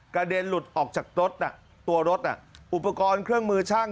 เด็นหลุดออกจากรถตัวรถอุปกรณ์เครื่องมือช่าง